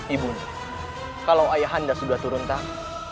ibu kalau ayah anda sudah turun tangan